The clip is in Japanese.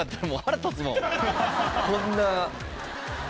こんな。